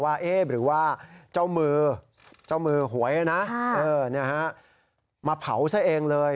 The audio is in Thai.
ว่าเจ้ามือหวยนะมาเผาเสียเองเลย